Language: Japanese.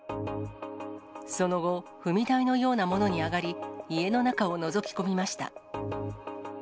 その後、踏み台のようなものに上がり、家の中をのぞき込みました。